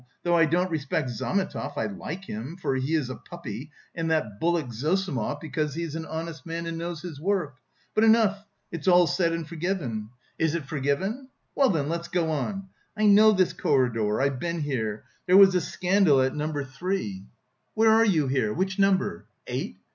though I don't respect Zametov, I like him, for he is a puppy, and that bullock Zossimov, because he is an honest man and knows his work. But enough, it's all said and forgiven. Is it forgiven? Well, then, let's go on. I know this corridor, I've been here, there was a scandal here at Number 3.... Where are you here? Which number? eight?